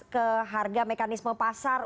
ke harga mekanisme pasar